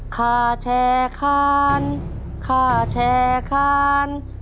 ข้าแช่คานข้าแช่คาน